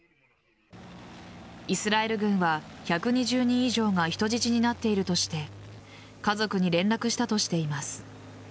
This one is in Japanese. イスラエル軍は１２０人以上が人質になっているとして家族に連絡したとしています。